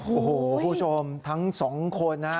โอ้โหคุณผู้ชมทั้งสองคนนะ